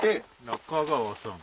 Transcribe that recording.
中川さん。